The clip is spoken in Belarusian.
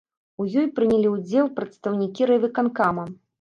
У ёй прынялі ўдзел прадстаўнікі райвыканкама.